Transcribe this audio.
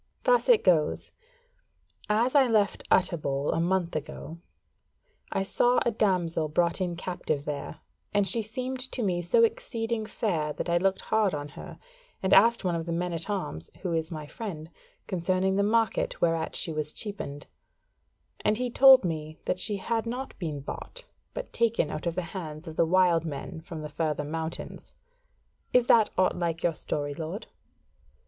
Thus it goes: As I left Utterbol a month ago, I saw a damsel brought in captive there, and she seemed to me so exceeding fair that I looked hard on her, and asked one of the men at arms who is my friend concerning the market whereat she was cheapened; and he told me that she had not been bought, but taken out of the hands of the wild men from the further mountains. Is that aught like to your story, lord?"